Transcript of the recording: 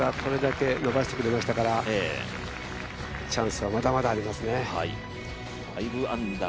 これだけ伸ばしてくれましたからチャンスはまだまだありますね。